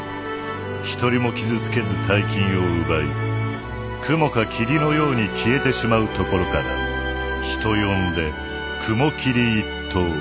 一人も傷つけず大金を奪い雲か霧のように消えてしまうところから人呼んで雲霧一党。